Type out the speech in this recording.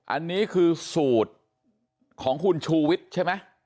อันนี้คือสูตรของคุณชูวิทย์ใช่ไหม